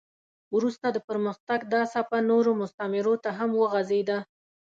وروسته د پرمختګ دا څپه نورو مستعمرو ته هم وغځېده.